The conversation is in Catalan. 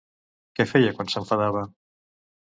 Què feia quan s'enfadava?